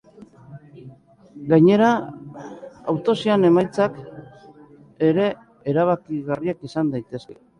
Gainera, autopsiaren emaitzak ere erabakigarriak izan daitezke.